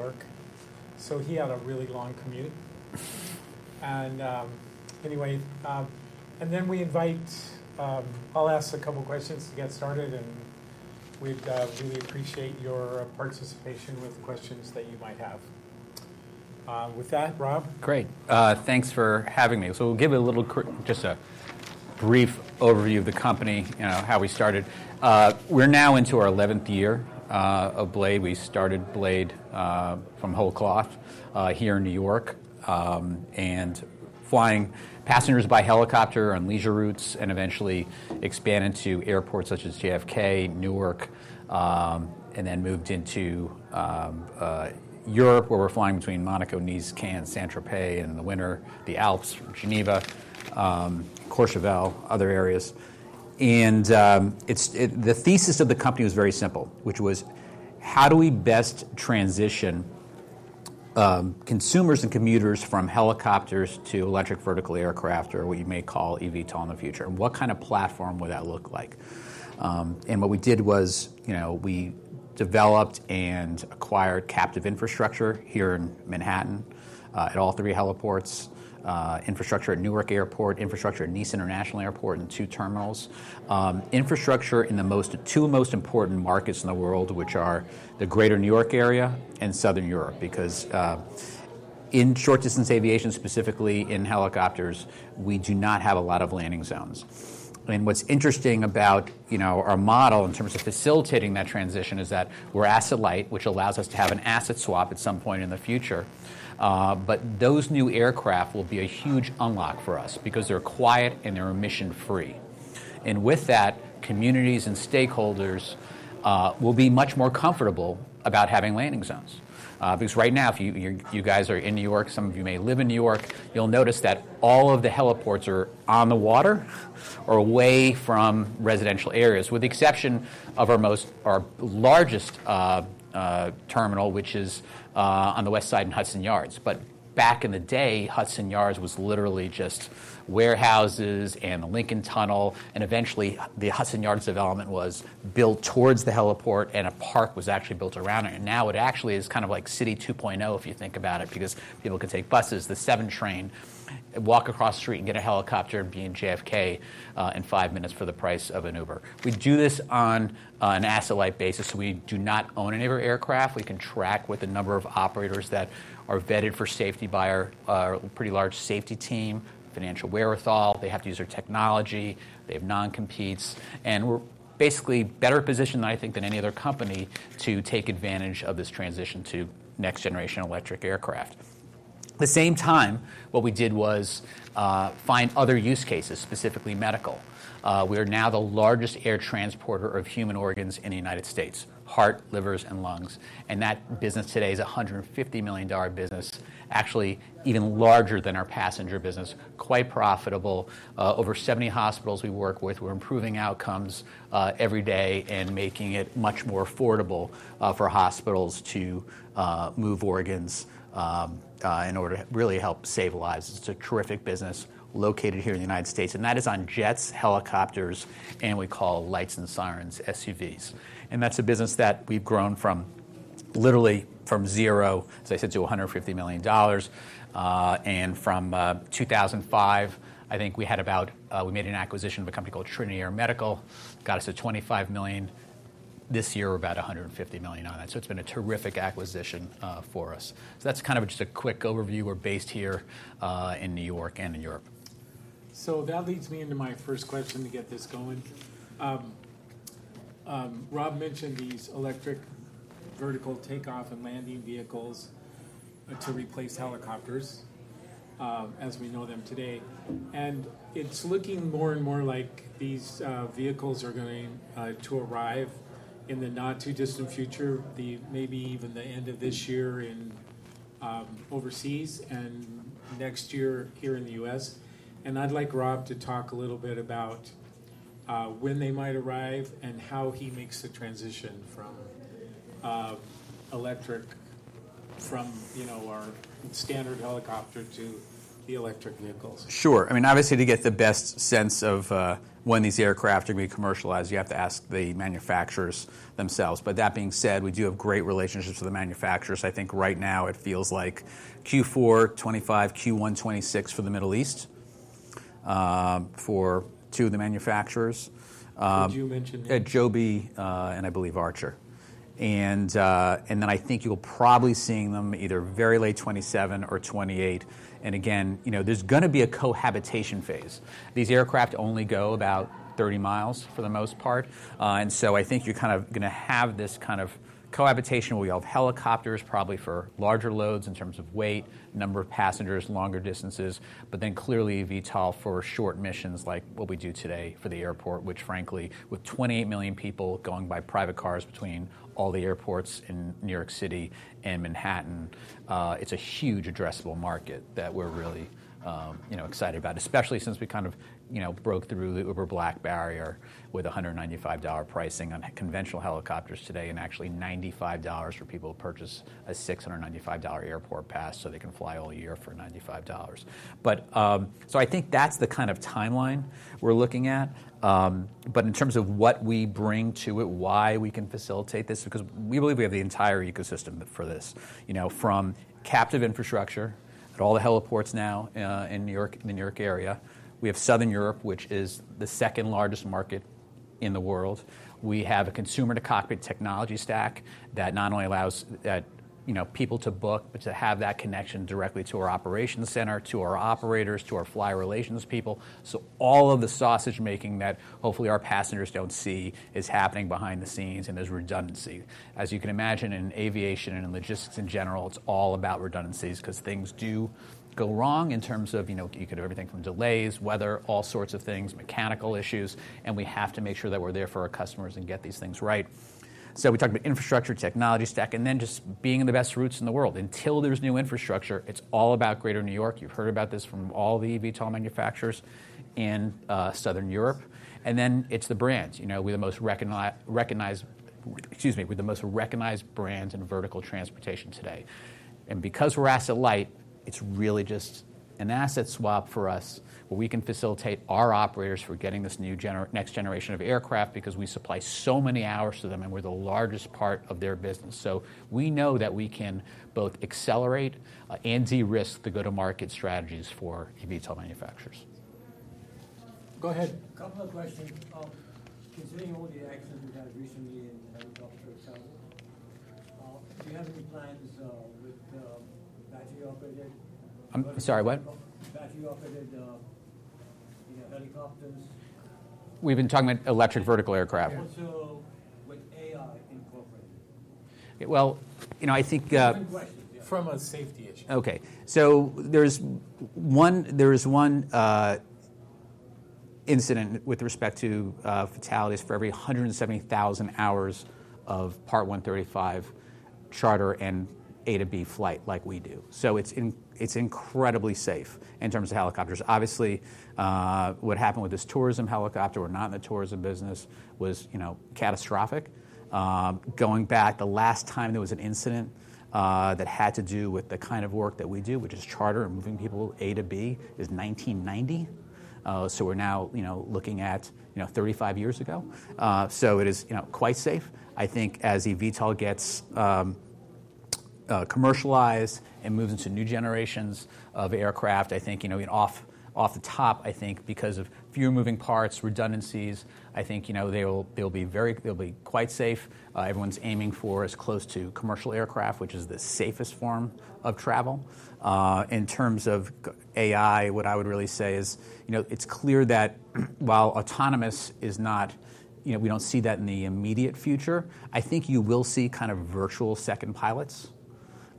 Here in New York. He had a really long commute. Anyway, we invite—I will ask a couple of questions to get started, and we would really appreciate your participation with questions that you might have. With that, Rob? Great. Thanks for having me. I'll give a little—just a brief overview of the company, how we started. We're now into our 11th year of Blade. We started Blade from whole cloth here in New York, and flying passengers by helicopter on leisure routes, eventually expanding to airports such as JFK, Newark, and then moved into Europe, where we're flying between Monaco, Nice, Cannes, Saint-Tropez, and in the winter, the Alps, Geneva, Courchevel, other areas. The thesis of the company was very simple, which was, how do we best transition consumers and commuters from helicopters to electric vertical aircraft, or what you may call EVTOL in the future? What kind of platform would that look like? What we did was we developed and acquired captive infrastructure here in Manhattan at all three heliports, infrastructure at Newark Airport, infrastructure at Nice International Airport, and two terminals, infrastructure in the two most important markets in the world, which are the greater New York area and southern Europe. In short-distance aviation, specifically in helicopters, we do not have a lot of landing zones. What's interesting about our model in terms of facilitating that transition is that we're asset-light, which allows us to have an asset swap at some point in the future. Those new aircraft will be a huge unlock for us because they're quiet and they're emission-free. With that, communities and stakeholders will be much more comfortable about having landing zones. Because right now, if you guys are in New York, some of you may live in New York, you'll notice that all of the heliports are on the water or away from residential areas, with the exception of our largest terminal, which is on the West Side in Hudson Yards. Back in the day, Hudson Yards was literally just warehouses and the Lincoln Tunnel. Eventually, the Hudson Yards development was built towards the heliport, and a park was actually built around it. Now it actually is kind of like City 2.0, if you think about it, because people can take buses, the 7 train, walk across the street, and get a helicopter being JFK in five minutes for the price of an Uber. We do this on an asset-light basis. We do not own any of our aircraft. We can track with a number of operators that are vetted for safety by our pretty large safety team, Financial Worthall. They have to use our technology. They have non-competes. We're basically better positioned, I think, than any other company to take advantage of this transition to next-generation electric aircraft. At the same time, what we did was find other use cases, specifically medical. We are now the largest air transporter of human organs in the United States: heart, livers, and lungs. That business today is a $150 million business, actually even larger than our passenger business, quite profitable. Over 70 hospitals we work with. We're improving outcomes every day and making it much more affordable for hospitals to move organs in order to really help save lives. It's a terrific business located here in the United States. That is on jets, helicopters, and we call lights and sirens SUVs. That is a business that we have grown literally from zero, as I said, to $150 million. In 2005, I think we had about—we made an acquisition of a company called Trinity Air Medical, got us to $25 million. This year, we are about $150 million on that. It has been a terrific acquisition for us. That is kind of just a quick overview. We are based here in New York and in Europe. That leads me into my first question to get this going. Rob mentioned these electric vertical takeoff and landing vehicles to replace helicopters as we know them today. It's looking more and more like these vehicles are going to arrive in the not-too-distant future, maybe even the end of this year overseas and next year here in the U.S. I'd like Rob to talk a little bit about when they might arrive and how he makes the transition from electric, from our standard helicopter to the electric vehicles. Sure. I mean, obviously, to get the best sense of when these aircraft are going to be commercialized, you have to ask the manufacturers themselves. That being said, we do have great relationships with the manufacturers. I think right now it feels like Q4 2025, Q1 2026 for the Middle East for two of the manufacturers. Did you mention? Adobe and, I believe, Archer. I think you'll probably be seeing them either very late 2027 or 2028. Again, there's going to be a cohabitation phase. These aircraft only go about 30 mi for the most part. I think you're kind of going to have this kind of cohabitation. We'll have helicopters probably for larger loads in terms of weight, number of passengers, longer distances. But then clearly EVTOL for short missions like what we do today for the airport, which frankly, with 28 million people going by private cars between all the airports in New York City and Manhattan, it's a huge addressable market that we're really excited about, especially since we kind of broke through the Uber Black Barrier with $195 pricing on conventional helicopters today and actually $95 for people to purchase a $695 airport pass so they can fly all year for $95. I think that's the kind of timeline we're looking at. In terms of what we bring to it, why we can facilitate this, because we believe we have the entire ecosystem for this, from captive infrastructure at all the heliports now in New York area. We have southern Europe, which is the second largest market in the world. We have a consumer-to-cockpit technology stack that not only allows people to book, but to have that connection directly to our operations center, to our operators, to our flyer relations people. All of the sausage-making that hopefully our passengers do not see is happening behind the scenes and there is redundancy. As you can imagine, in aviation and in logistics in general, it is all about redundancies because things do go wrong in terms of you could have everything from delays, weather, all sorts of things, mechanical issues. We have to make sure that we are there for our customers and get these things right. We talked about infrastructure, technology stack, and then just being the best routes in the world. Until there is new infrastructure, it is all about greater New York. You have heard about this from all the EVTOL manufacturers in southern Europe. It is the brands. We're the most recognized—excuse me—we're the most recognized brands in vertical transportation today. Because we're asset-light, it's really just an asset swap for us where we can facilitate our operators for getting this new next generation of aircraft because we supply so many hours to them and we're the largest part of their business. We know that we can both accelerate and de-risk the go-to-market strategies for EVTOL manufacturers. Go ahead. Couple of questions. Considering all the actions we've had recently in helicopter travel, do you have any plans with battery-operated. I'm sorry, what? Battery-operated helicopters. We've been talking about electric vertical aircraft. Also with AI incorporated. I think. Second question, yeah. From a safety issue. Okay. There is one incident with respect to fatalities for every 170,000 hours of Part 135 charter and A to B flight like we do. It is incredibly safe in terms of helicopters. Obviously, what happened with this tourism helicopter—we are not in the tourism business—was catastrophic. Going back, the last time there was an incident that had to do with the kind of work that we do, which is charter and moving people A to B, is 1990. We are now looking at 35 years ago. It is quite safe. I think as EVTOL gets commercialized and moves into new generations of aircraft, I think off the top, I think because of fewer moving parts, redundancies, I think they will be quite safe. Everyone is aiming for as close to commercial aircraft, which is the safest form of travel. In terms of AI, what I would really say is it's clear that while autonomous is not—we don't see that in the immediate future. I think you will see kind of virtual second pilots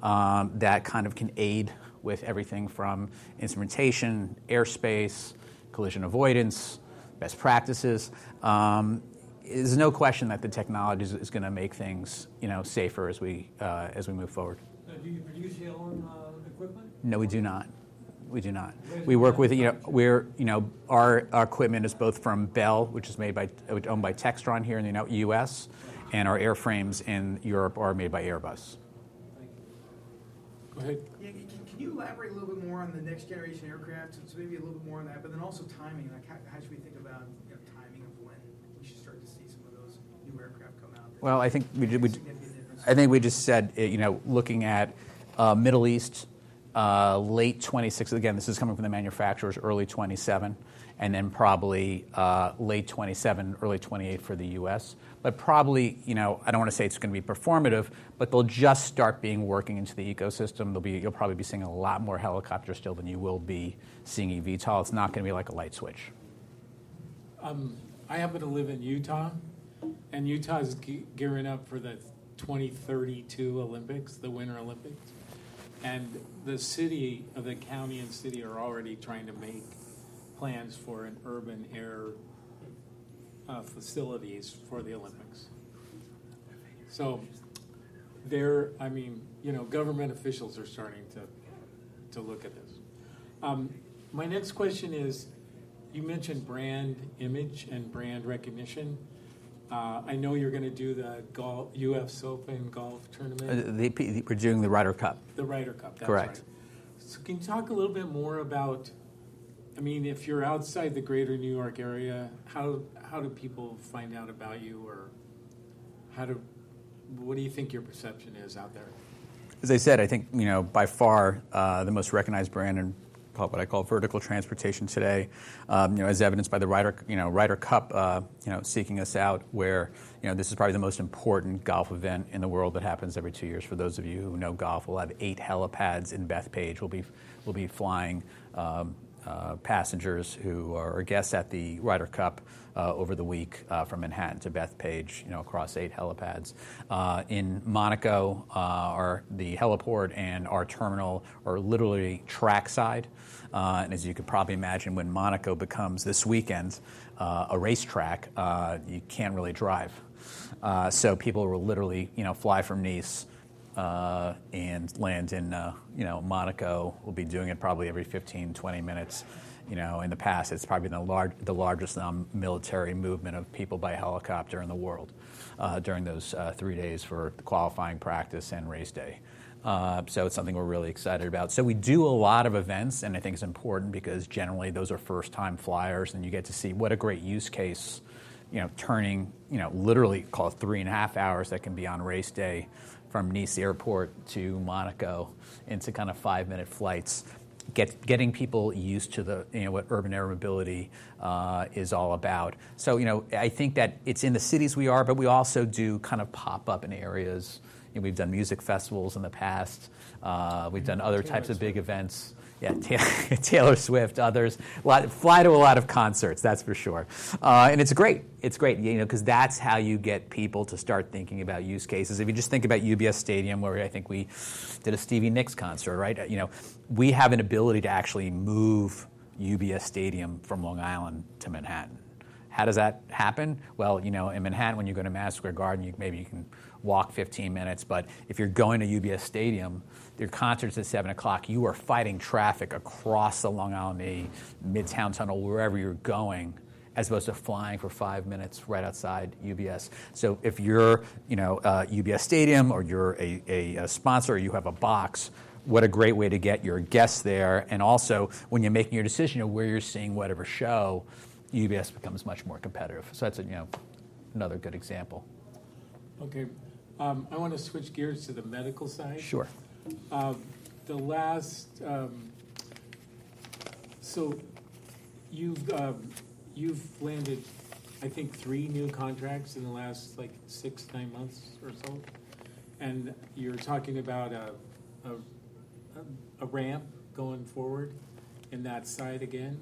that kind of can aid with everything from instrumentation, airspace, collision avoidance, best practices. There's no question that the technology is going to make things safer as we move forward. Do you produce your own equipment? No, we do not. We do not. We work with our equipment is both from Bell, which is owned by Textron here in the U.S., and our airframes in Europe are made by Airbus. Thank you. Go ahead. Can you elaborate a little bit more on the next generation aircraft? Maybe a little bit more on that, but then also timing. How should we think about timing of when we should start to see some of those new aircraft come out? I think we just said looking at Middle East, late 2026, again, this is coming from the manufacturers, early 2027, and then probably late 2027, early 2028 for the U.S. Probably, I do not want to say it is going to be performative, but they will just start being worked into the ecosystem. You will probably be seeing a lot more helicopters still than you will be seeing EVTOL. It is not going to be like a light switch. I happen to live in Utah, and Utah is gearing up for the 2032 Olympics, the Winter Olympics. The county and city are already trying to make plans for urban air facilities for the Olympics. Government officials are starting to look at this. My next question is, you mentioned brand image and brand recognition. I know you're going to do the UF Sofan Golf Tournament. We're doing the Ryder Cup. The Ryder Cup. Correct. Can you talk a little bit more about, I mean, if you're outside the greater New York area, how do people find out about you or what do you think your perception is out there? As I said, I think by far the most recognized brand in what I call vertical transportation today, as evidenced by the Ryder Cup seeking us out, where this is probably the most important golf event in the world that happens every two years. For those of you who know golf, we'll have eight helipads in Bethpage. We'll be flying passengers who are guests at the Ryder Cup over the week from Manhattan to Bethpage across eight helipads. In Monaco, the heliport and our terminal are literally trackside. As you could probably imagine, when Monaco becomes this weekend a racetrack, you can't really drive. People will literally fly from Nice and land in Monaco. We'll be doing it probably every 15-20 minutes. In the past, it's probably the largest military movement of people by helicopter in the world during those three days for qualifying practice and race day. It is something we're really excited about. We do a lot of events, and I think it's important because generally those are first-time flyers, and you get to see what a great use case turning literally, call it, three and a half hours that can be on race day from Nice airport to Monaco into kind of five-minute flights, getting people used to what urban air mobility is all about. I think that it's in the cities we are, but we also do kind of pop up in areas. We've done music festivals in the past. We've done other types of big events. Yeah, Taylor Swift, others, fly to a lot of concerts, that's for sure. It is great. It's great because that's how you get people to start thinking about use cases. If you just think about UBS Stadium, where I think we did a Stevie Nicks concert, right? We have an ability to actually move UBS Stadium from Long Island to Manhattan. How does that happen? In Manhattan, when you go to Madison Square Garden, maybe you can walk 15 minutes. If you're going to UBS Stadium, your concert's at 7:00 P.M. You are fighting traffic across the Long Island Bay, Midtown Tunnel, wherever you're going, as opposed to flying for five minutes right outside UBS. If you're at UBS Stadium or you're a sponsor or you have a box, what a great way to get your guests there. Also, when you're making your decision of where you're seeing whatever show, UBS becomes much more competitive. That's another good example. Okay. I want to switch gears to the medical side. Sure. You've landed, I think, three new contracts in the last six to nine months or so. You're talking about a ramp going forward in that side again.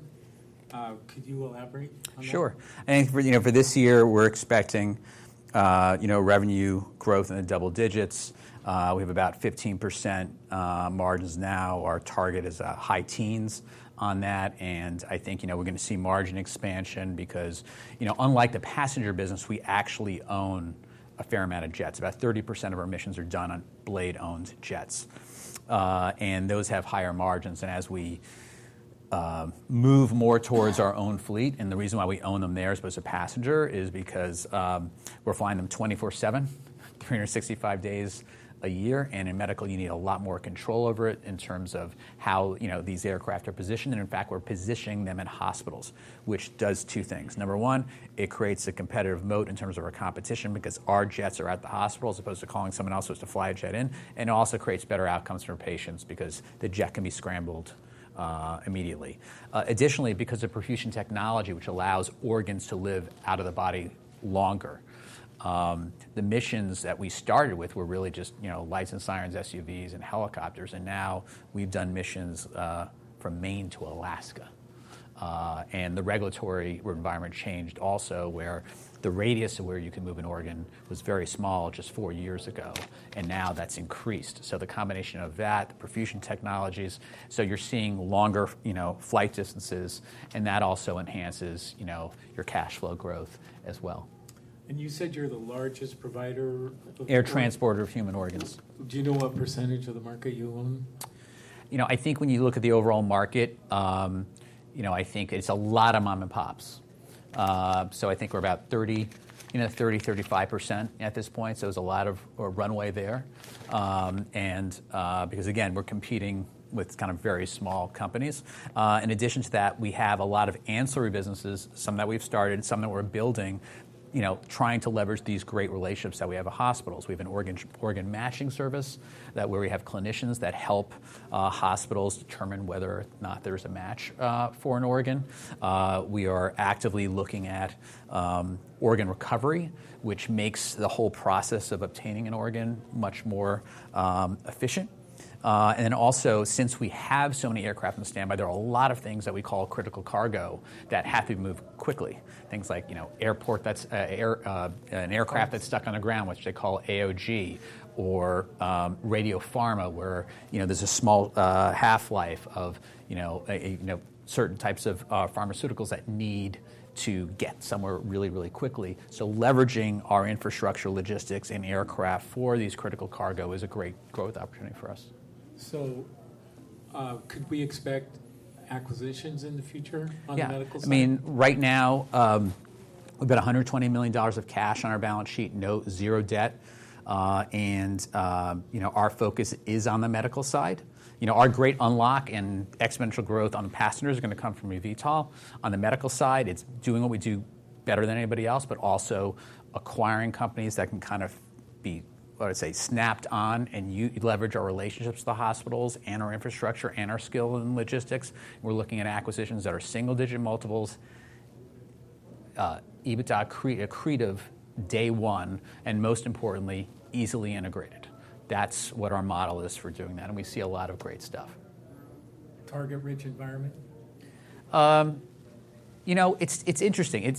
Could you elaborate on that? Sure. I think for this year, we're expecting revenue growth in the double digits. We have about 15% margins now. Our target is high teens on that. I think we're going to see margin expansion because unlike the passenger business, we actually own a fair amount of jets. About 30% of our missions are done on Strata-owned jets. Those have higher margins. As we move more towards our own fleet, and the reason why we own them there as opposed to passenger is because we're flying them 24/7, 365 days a year. In medical, you need a lot more control over it in terms of how these aircraft are positioned. In fact, we're positioning them in hospitals, which does two things. Number one, it creates a competitive moat in terms of our competition because our jets are at the hospital as opposed to calling someone else to fly a jet in. It also creates better outcomes for patients because the jet can be scrambled immediately. Additionally, because of perfusion technology, which allows organs to live out of the body longer, the missions that we started with were really just lights and sirens, SUVs, and helicopters. Now we have done missions from Maine to Alaska. The regulatory environment changed also where the radius of where you can move an organ was very small just four years ago. Now that has increased. The combination of that, the perfusion technologies, you are seeing longer flight distances, and that also enhances your cash flow growth as well. You said you're the largest provider. Air transporter of human organs. Do you know what percentage of the market you own? I think when you look at the overall market, I think it's a lot of mom-and-pops. I think we're about 30%-35% at this point. There's a lot of runway there. Because again, we're competing with kind of very small companies. In addition to that, we have a lot of ancillary businesses, some that we've started, some that we're building, trying to leverage these great relationships that we have with hospitals. We have an organ matching service where we have clinicians that help hospitals determine whether or not there's a match for an organ. We are actively looking at organ recovery, which makes the whole process of obtaining an organ much more efficient. Also, since we have so many aircraft in the standby, there are a lot of things that we call critical cargo that have to be moved quickly. Things like an aircraft that's stuck on the ground, which they call AOG, or radiopharma, where there's a small half-life of certain types of pharmaceuticals that need to get somewhere really, really quickly. Leveraging our infrastructure, logistics, and aircraft for these critical cargo is a great growth opportunity for us. Could we expect acquisitions in the future on the medical side? Yeah. I mean, right now, we've got $120 million of cash on our balance sheet, no debt. Our focus is on the medical side. Our great unlock and exponential growth on the passengers is going to come from EVTOL. On the medical side, it's doing what we do better than anybody else, but also acquiring companies that can kind of be, I would say, snapped on and leverage our relationships to the hospitals and our infrastructure and our skill and logistics. We're looking at acquisitions that are single-digit multiples, EBITDA accretive day one, and most importantly, easily integrated. That's what our model is for doing that. We see a lot of great stuff. Target-rich environment? You know, it's interesting.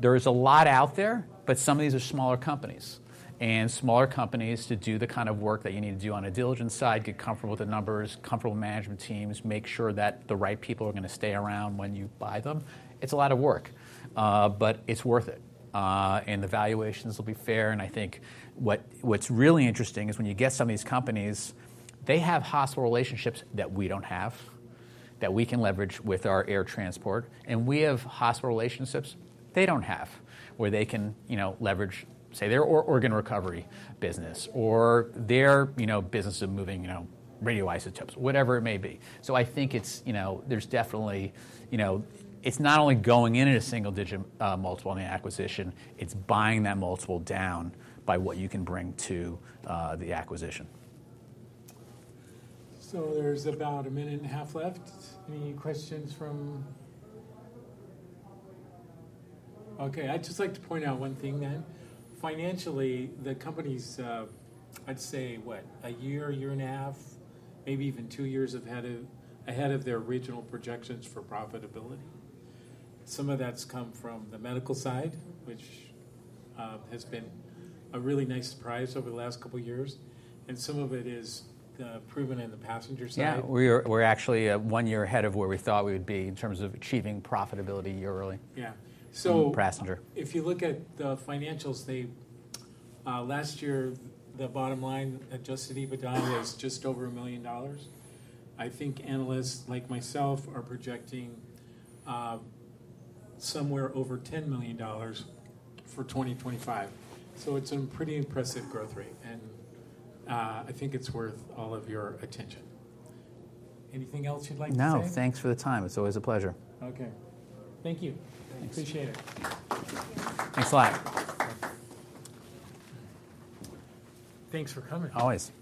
There is a lot out there, but some of these are smaller companies. And smaller companies, to do the kind of work that you need to do on a diligence side, get comfortable with the numbers, comfortable with management teams, make sure that the right people are going to stay around when you buy them. It's a lot of work, but it's worth it. The valuations will be fair. I think what's really interesting is when you get some of these companies, they have hospital relationships that we don't have that we can leverage with our air transport. We have hospital relationships they don't have where they can leverage, say, their organ recovery business or their business of moving radioisotopes, whatever it may be. I think there's definitely it's not only going in at a single-digit multiple on the acquisition, it's buying that multiple down by what you can bring to the acquisition. There's about a minute and a half left. Any questions from? Okay. I'd just like to point out one thing then. Financially, the company's, I'd say, what, a year, year and a half, maybe even two years ahead of their original projections for profitability. Some of that's come from the medical side, which has been a really nice surprise over the last couple of years. Some of it is proven in the passenger side. Yeah. We're actually one year ahead of where we thought we would be in terms of achieving profitability, year early. Yeah. Passenger. If you look at the financials, last year, the bottom line Adjusted EBITDA was just over $1 million. I think analysts like myself are projecting somewhere over $10 million for 2025. It is a pretty impressive growth rate. I think it is worth all of your attention. Anything else you'd like to say? No. Thanks for the time. It's always a pleasure. Okay. Thank you. Appreciate it. Thanks a lot. Thanks for coming. Always.